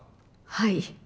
はい。